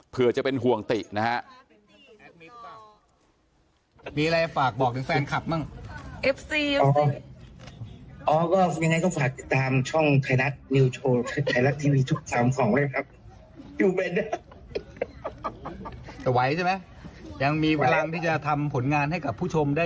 เพื่อจะเป็นห่วงตินะฮะ